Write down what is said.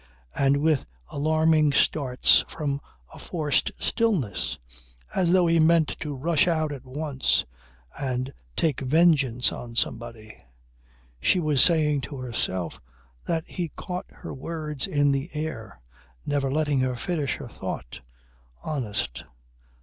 and with alarming starts from a forced stillness, as though he meant to rush out at once and take vengeance on somebody. She was saying to herself that he caught her words in the air, never letting her finish her thought. Honest.